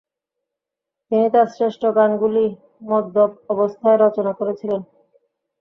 তিনি তার শ্রেষ্ঠ গানগুলি মদ্যপ অবস্থায় রচনা করেছিলেন।